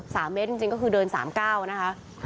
สามเมตรจริงจริงก็คือเดินสามเก้านะคะ